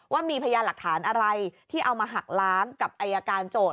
ว่ามีพยานหลักฐานอะไรที่เอามาหักล้างกับอายการโจทย